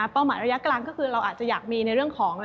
หมายระยะกลางก็คือเราอาจจะอยากมีในเรื่องของ